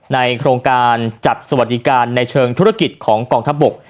โครงการจัดสวัสดิการในเชิงธุรกิจของกองทัพบก